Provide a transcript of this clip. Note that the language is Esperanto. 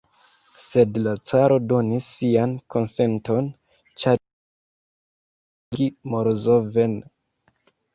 Sed la caro donis sian konsenton, ĉar li deziris pereigi Morozov'n.